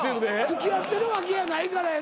付き合ってるわけやないからやな。